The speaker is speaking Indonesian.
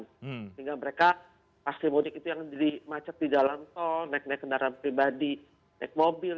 sehingga mereka pasti mudik itu yang jadi macet di jalan tol naik naik kendaraan pribadi naik mobil